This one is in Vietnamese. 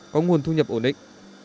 có nguồn thu nhập ổn định